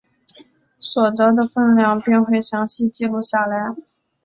所得的份量并会详细记录下来。